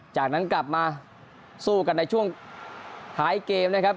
จากนั้นกลับมาสู้กันในช่วงท้ายเกมนะครับ